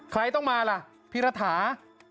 ใครต้องมาล่ะพี่รัฐา